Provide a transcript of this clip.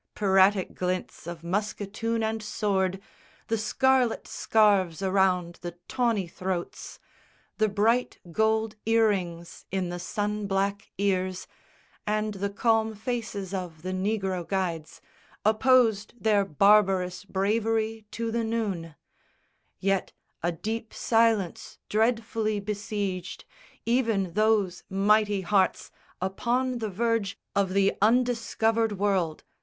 Piratic glints of musketoon and sword, The scarlet scarves around the tawny throats, The bright gold ear rings in the sun black ears, And the calm faces of the negro guides Opposed their barbarous bravery to the noon; Yet a deep silence dreadfully besieged Even those mighty hearts upon the verge Of the undiscovered world.